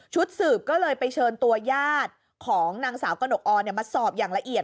สืบก็เลยไปเชิญตัวญาติของนางสาวกระหนกออนมาสอบอย่างละเอียด